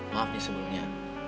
maaf nih sebelumnya